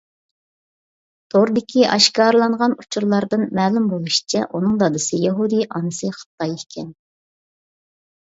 توردىكى ئاشكارىلانغان ئۇچۇرلاردىن مەلۇم بولۇشىچە ئۇنىڭ دادىسى يەھۇدىي، ئانىسى خىتاي ئىكەن.